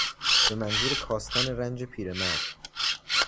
به منظور کاستن رنج پیرمرد